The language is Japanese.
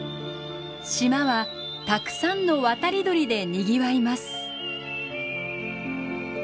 島はたくさんの渡り鳥でにぎわいます。